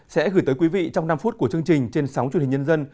sẽ gửi tới quý vị trong năm phút của chương trình trên sóng truyền hình nhân dân